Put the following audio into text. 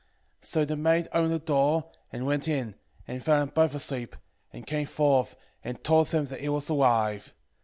8:13 So the maid opened the door, and went in, and found them both asleep, 8:14 And came forth, and told them that he was alive.